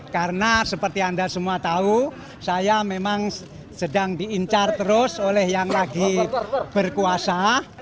karena seperti anda semua tahu saya memang sedang diincar terus oleh yang lagi berkuasa